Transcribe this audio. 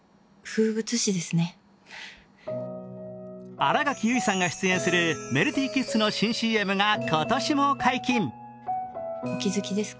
新垣結衣さんが出演するメルティーキッスの新ＣＭが今年も解禁。